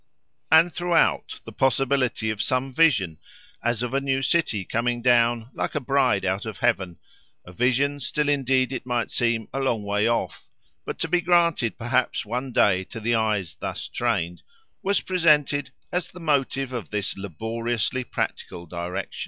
And throughout, the possibility of some vision, as of a new city coming down "like a bride out of heaven," a vision still indeed, it might seem, a long way off, but to be granted perhaps one day to the eyes thus trained, was presented as the motive of this laboriously practical direction.